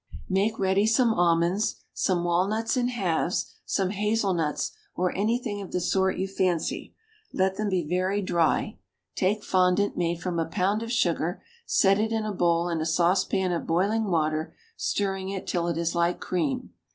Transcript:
Make ready some almonds, some walnuts in halves, some hazelnuts, or anything of the sort you fancy; let them be very dry. Take fondant made from a pound of sugar, set it in a bowl in a saucepan of boiling water, stirring it till it is like cream.